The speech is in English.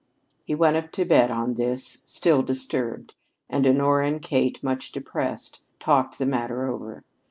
He went up to bed on this, still disturbed, and Honora and Kate, much depressed, talked the matter over.